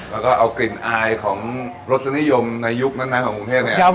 แล้วก็เอากลิ่นอายของรสดุนิยมในยุคแท้ไหนของมุรุงเทศ